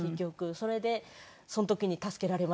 それでその時に助けられました。